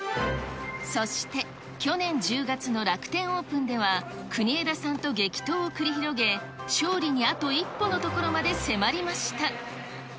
そして去年１０月の楽天オープンでは、国枝さんと激闘を繰り広げ、勝利にあと一歩のところまで迫りました。